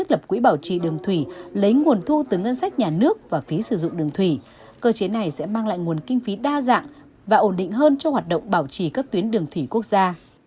lấy nguồn thu từ ngân sách nhà nước và phí sử dụng đường thủy cơ chế này sẽ mang lại nguồn kinh phí đa dạng và ổn định hơn cho hoạt động bảo trì các tuyến đường thủy quốc gia